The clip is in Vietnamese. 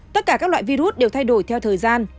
tất cả các loại virus đều thay đổi theo thời gian